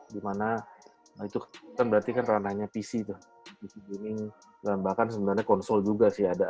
dimana berarti kan terlalu banyaknya pc pc gaming bahkan konsol juga sih